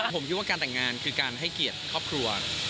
ผมคิดว่าการแต่งงานคือการให้เกียรติครอบครัว